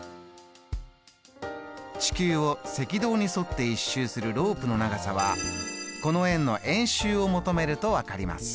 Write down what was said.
地球を赤道に沿って１周するロープの長さはこの円の円周を求めると分かります。